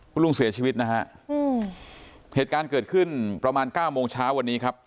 คุณลุงเสียชีวิตนะฮะอืมเหตุการณ์เกิดขึ้นประมาณเก้าโมงเช้าวันนี้ครับ